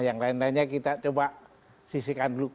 yang lain lainnya kita coba sisikan dulu